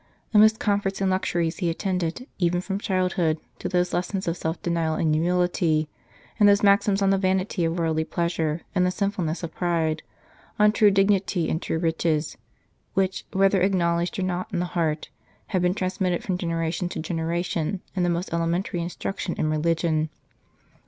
Amidst comforts and luxuries he attended, even from childhood, to those lessons of self denial and humility, and those maxims on the vanity of worldly pleasure and the sinfulness of pride, on true dignity and true riches, which, whether acknowledged or not in the heart, have been trans mitted from generation to generation in the most 61 Saint Charles Borromeo elementary instruction in religion.